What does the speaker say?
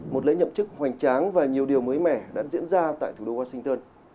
một lễ nhậm chức hoành tráng và nhiều điều mới mẻ đã diễn ra tại thủ đô washington